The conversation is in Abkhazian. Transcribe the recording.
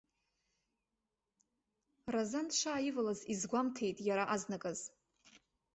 Разан дшааивалаз изгәамҭеит иара азныказ.